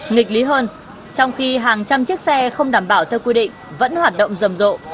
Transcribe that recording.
nghịch lý hơn trong khi hàng trăm chiếc xe không đảm bảo theo quy định vẫn hoạt động rầm rộ